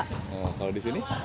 kalau di sini